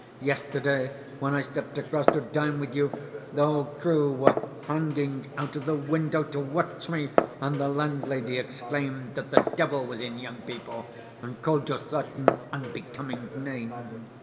Yesterday, when I stepped across to dine with you, the whole crew were hanging out of the window to watch me, and the landlady exclaimed that the devil was in young people, and called you certain unbecoming names.